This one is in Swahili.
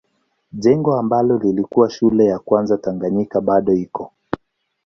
Jengo ambalo lilikuwa shule ya kwanza Tanganyika bado iko.